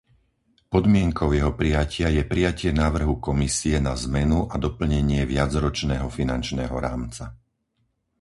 Podmienkou jeho prijatia je prijatie návrhu Komisie na zmenu a doplnenie viacročného finančného rámca.